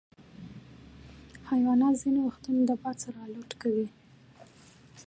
حیوانات ځینې وختونه د باد سره الوت کوي.